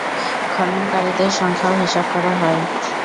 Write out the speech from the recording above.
খননকারীদের সংখ্যাও হিসাব করা হয়।